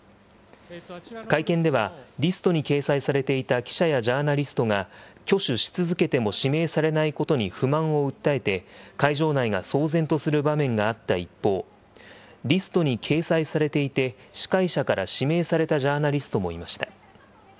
会見では、リストに掲載されていた記者やジャーナリストが、挙手し続けても指名されないことに不満を訴えて、会場内が騒然とする場面があった一方、リストに掲載されていて、司会者から指名されたジャーナリストもいました。